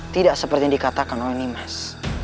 tidak seperti yang dikatakan oleh nimas